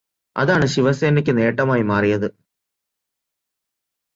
അതാണ് ശിവസേനയ്ക്ക് നേട്ടമായി മാറിയത്.